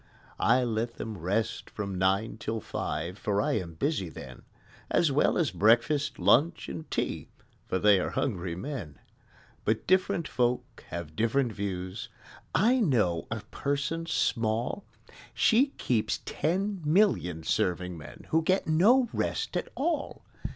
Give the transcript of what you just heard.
I let them rest from nine till five. For I am busy then, As well as breakfast, lunch, and tea, For they are hungry men: But different folk have different views: I know a person small She keeps ten million serving men, Who get no rest at all!